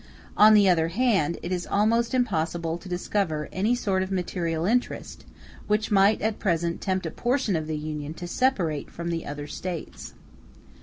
On the other hand, it is almost impossible to discover any sort of material interest which might at present tempt a portion of the Union to separate from the other States.